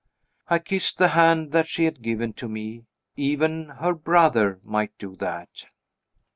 I kissed the hand that she had given to me even her "brother" might do that!